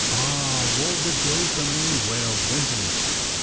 ^^Ah, woe the day for me!" wailed Wimpins.